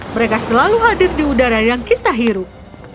mereka selalu hadir di udara yang kita hirup